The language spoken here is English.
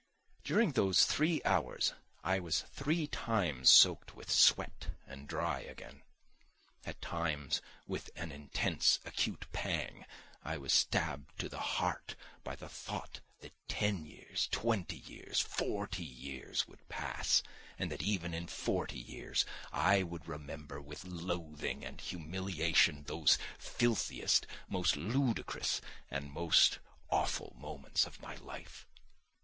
During those three hours I was three times soaked with sweat and dry again. At times, with an intense, acute pang I was stabbed to the heart by the thought that ten years, twenty years, forty years would pass, and that even in forty years I would remember with loathing and humiliation those filthiest, most ludicrous, and most awful moments of my life.